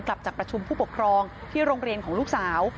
กลับจากประชุมผู้ปกครองที่โรงเรียนของลูกสาว